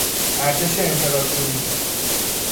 ارتش امپراتوری